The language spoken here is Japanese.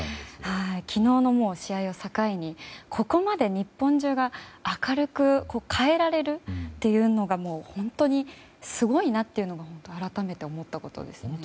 昨日の試合を境にここまで日本中が明るく変えられるというのが本当にすごいなと改めて思ったことですね。